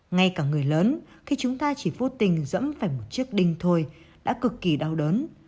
ngay cả người lớn khi chúng ta chỉ vô tình dẫm phải một chiếc đinh thôi đã cực kỳ đau đớn